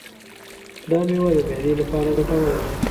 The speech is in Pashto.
دا مېوه د معدې لپاره ګټوره ده.